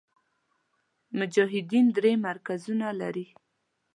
مجاهدین درې مرکزونه لري.